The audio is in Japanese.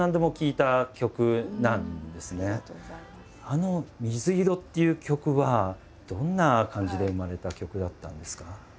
あの「水色」っていう曲はどんな感じで生まれた曲だったんですか？